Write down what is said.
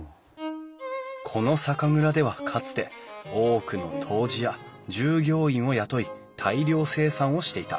この酒蔵ではかつて多くの杜氏や従業員を雇い大量生産をしていた。